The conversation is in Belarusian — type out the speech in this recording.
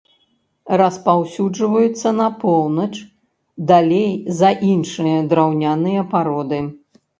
Распаўсюджваецца на поўнач далей за іншыя драўняныя пароды.